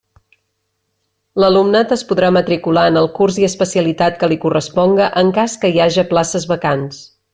L'alumnat es podrà matricular en el curs i especialitat que li corresponga en cas que hi haja places vacants.